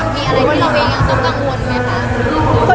มีอะไรที่เราเองยังต้องกังวลไหมคะ